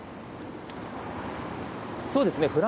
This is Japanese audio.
そうですね。